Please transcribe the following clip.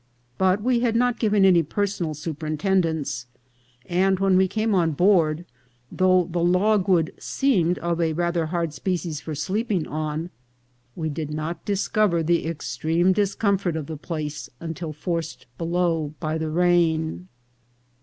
But we had not given any personal su perintendence ; and when we came on board, though the logwood seemed of a rather hard species for sleep MISERIES OF A BUNCO. ing on, we did not discover the extreme discomfort of the place until forced below by the rain.